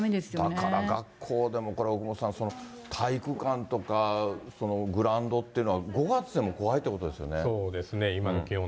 だから、学校でもこれ、奥元さん、体育館とかグラウンドっていうのは、５月でも怖いということですね。